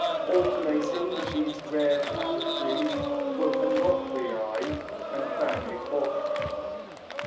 Alternating with these rare tapestries were panopliæ and family portraits.